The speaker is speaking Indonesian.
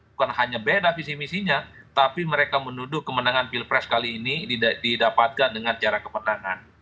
bukan hanya beda visi misinya tapi mereka menuduh kemenangan pilpres kali ini didapatkan dengan cara kemenangan